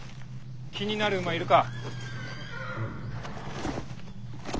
気になる馬いるか？